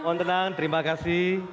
mohon tenang terima kasih